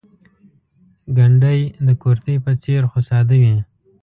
ګنډۍ د کورتۍ په څېر خو ساده وي.